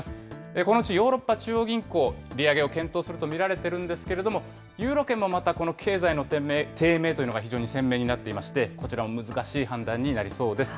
このうちヨーロッパ中央銀行、利上げを検討すると見られているんですけれども、ユーロ圏もまた、経済の低迷というのが非常に鮮明になっていまして、こちらも難しい判断になりそうです。